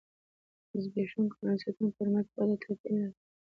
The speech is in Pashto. د زبېښونکو بنسټونو پر مټ وده توپیر لري.